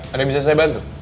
ada yang bisa saya bantu